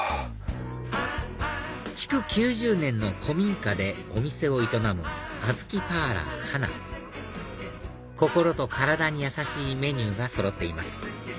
築９０年の古民家でお店を営むあずきパーラーｈａｎａ心と体にやさしいメニューがそろっています